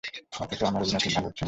আমার অভিনয় খুব ভাল হচ্ছে মা।